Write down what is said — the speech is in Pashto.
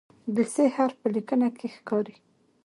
د "ث" حرف په لیکنه کې ښکاري.